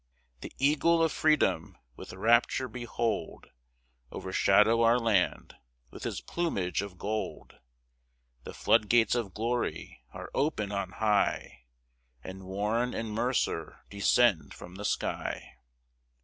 The EAGLE of FREEDOM with rapture behold, Overshadow our land with his plumage of gold! The flood gates of glory are open on high, And Warren and Mercer descend from the sky!